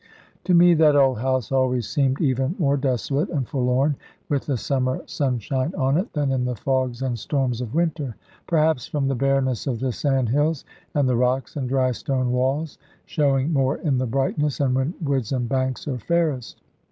To me that old house always seemed even more desolate and forlorn with the summer sunshine on it, than in the fogs and storms of winter; perhaps from the bareness of the sandhills, and the rocks, and dry stone walls, showing more in the brightness, and when woods and banks are fairest.